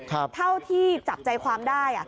เท่าที่จับใจความได้